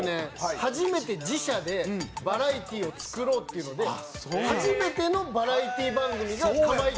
初めて自社でバラエティーを作ろうっていうので初めてのバラエティー番組が『かまいたちの掟』なんです。